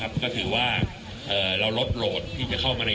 คุณผู้ชมไปฟังผู้ว่ารัฐกาลจังหวัดเชียงรายแถลงตอนนี้ค่ะ